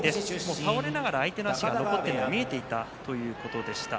倒れながら相手の足が残っているのが見えていたということです。